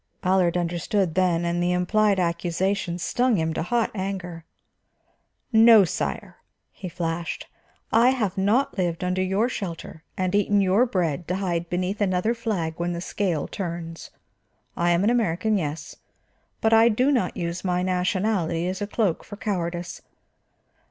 Allard understood then, and the implied accusation stung him to hot anger. "No, sire," he flashed. "I have not lived under your shelter and eaten your bread to hide beneath another flag when the scale turns. I am an American, yes, but I do not use my nationality as a cloak for cowardice.